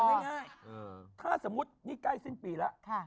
ง่ายถ้าสมมุตินี่ใกล้สิ้นปีแล้ว